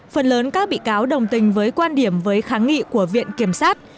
phần lớn các bị cáo đồng tình với quan điểm với kháng nghị của viện kiểm sát